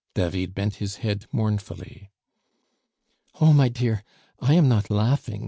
David bent his head mournfully. "Oh! my dear! I am not laughing!